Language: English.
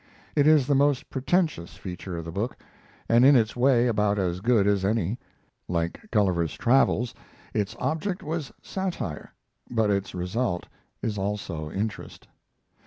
It is the most pretentious feature of the book, and in its way about as good as any. Like Gulliver's Travels, its object was satire, but its result is also interest.